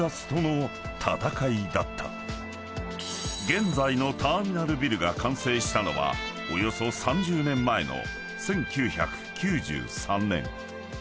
［現在のターミナルビルが完成したのはおよそ３０年前の１９９３年］